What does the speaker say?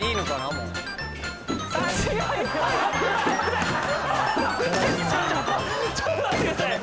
もう強いちょっと待ってください